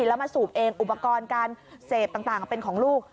แล้วมาสูบเองอุปกรณ์การเสพต่างเป็นของลูก